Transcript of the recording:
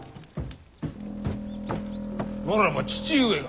ならば父上が。